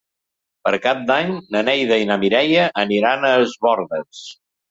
Per Cap d'Any na Neida i na Mireia aniran a Es Bòrdes.